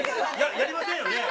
やりませんよね。